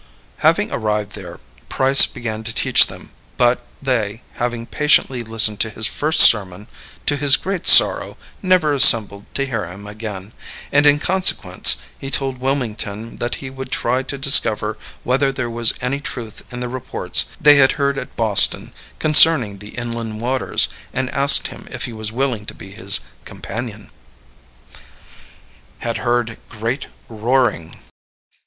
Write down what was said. Having arrived there, Price began to teach them; but they, having patiently listened to his first sermon, to his great sorrow, never assembled to hear him again; and, in consequence, he told Wilmington that he would try to discover whether there was any truth in the reports they had heard at Boston concerning the inland waters, and asked him if he was willing to be his companion. Had Heard Great Roaring.